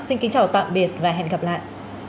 xin kính chào tạm biệt và hẹn gặp lại